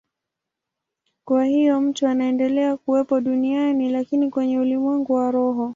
Kwa hiyo mtu anaendelea kuwepo duniani, lakini kwenye ulimwengu wa roho.